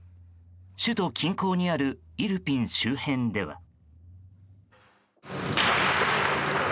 首都近郊にあるイルピン周辺では。